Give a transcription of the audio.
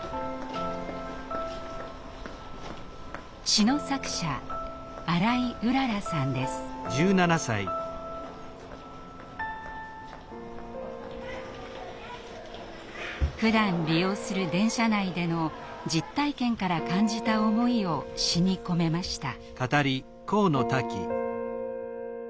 詩の作者ふだん利用する電車内での実体験から感じた思いを詩に込めました。